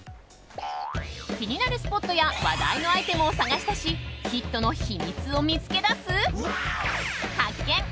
気になるスポットや話題のアイテムを探し出しヒットの秘密を見つけ出す発見！